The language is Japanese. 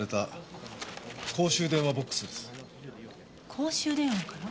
公衆電話から？